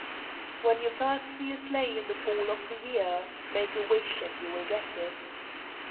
When you first see a sleigh in the fall of the year, make a wish, and you will get it.